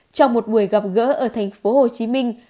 trong một buổi gặp gỡ ở thành phố hồ chí minh